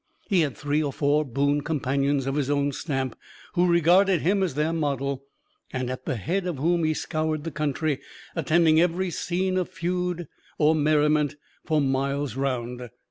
He had three or four boon companions of his own stamp, who regarded him as their model, and at the head of whom he scoured the country, attending every scene of feud or merriment for miles round.